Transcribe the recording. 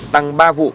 tăng ba vụ